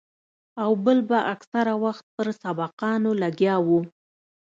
او بل به اکثره وخت پر سبقانو لګيا وو.